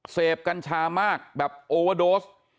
เสพกัญชามากแบบโอเวอร์โดสต์